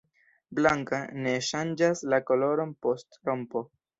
Blanka, ne ŝanĝas la koloron post rompo.